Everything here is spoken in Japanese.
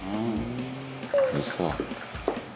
「おいしそう」